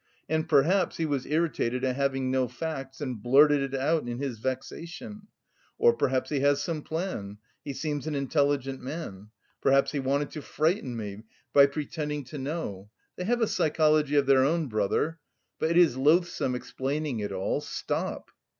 And perhaps, he was irritated at having no facts, and blurted it out in his vexation or perhaps he has some plan... he seems an intelligent man. Perhaps he wanted to frighten me by pretending to know. They have a psychology of their own, brother. But it is loathsome explaining it all. Stop!"